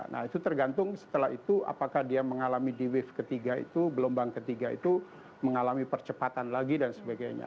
nah itu tergantung setelah itu apakah dia mengalami di wave ketiga itu gelombang ketiga itu mengalami percepatan lagi dan sebagainya